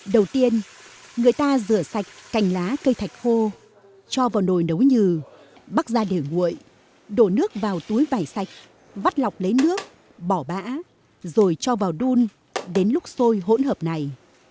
đầu tiên người ta rửa sạch cành lá cây thạch khô cho vào nồi nấu nhừ bắt ra để nguội đổ nước vào túi vải sạch vắt lọc lấy nước bỏ bã rồi cho vào đun đến lúc sôi hỗn hợp này